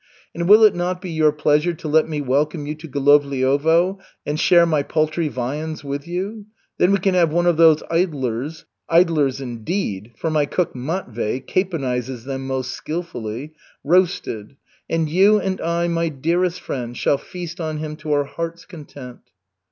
And will it not be your pleasure to let me welcome you to Golovliovo and share my paltry viands with you? Then we can have one of those idlers (idlers, indeed, for my cook Matvey caponizes them most skilfully) roasted, and you and I, my dearest friend, shall feast on him to our heart's content."